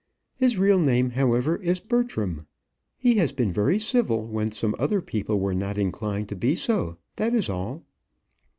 His real name, however, is Bertram. He has been very civil when some other people were not inclined to be so, that is all."